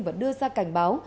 và đưa ra cảnh báo